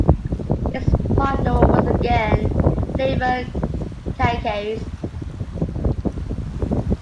His partner was again Flavia Cacace.